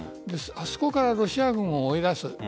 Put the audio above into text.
あそこからロシア軍を追い出す。